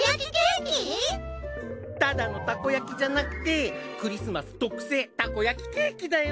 ただのたこ焼きじゃなくてクリスマス特製たこ焼きケーキだよ！